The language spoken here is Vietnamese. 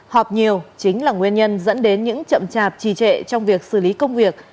họp nhiều chính là nguyên nhân dẫn đến những chậm chạp trì trệ trong việc xử lý công việc